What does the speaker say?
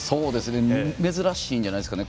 珍しいんじゃないんですか